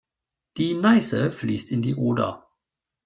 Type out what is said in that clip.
Die Neiße fließt in die Oder.